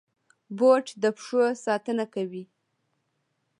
بوټ د پښو ساتنه کوي.